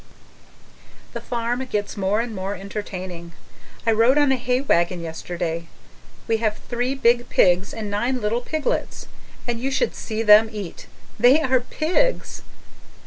The farm gets more and more entertaining. I rode on a hay wagon yesterday. We have three big pigs and nine little piglets, and you should see them eat. They are pigs!